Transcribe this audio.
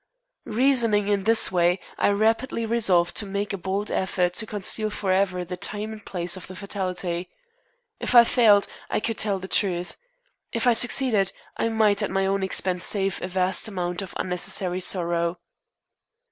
Reasoning in this way, I rapidly resolved to make a bold effort to conceal forever the time and place of the fatality. If I failed, I could tell the truth; if I succeeded, I might, at my own expense, save a vast amount of unnecessary sorrow.